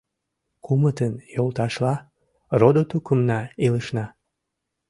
Кумытын йолташла, родо-тукымна илышна.